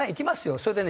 それでね